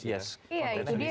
iya itu dia